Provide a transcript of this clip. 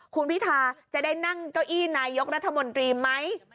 คุณพิทาจะได้นั่งเก้าอี้นายกรัฐมนตรีไหม